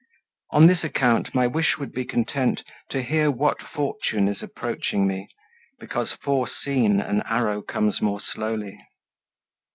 On this account my wish would be content To hear what fortune is approaching me, Because foreseen an arrow comes more slowly."